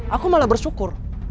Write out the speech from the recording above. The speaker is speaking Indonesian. aku malah bersyukur